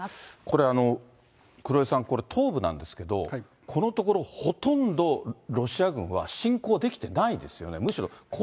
これ、黒井さん、東部なんですけど、このところ、ほとんどロシア軍は侵攻できてないですよね。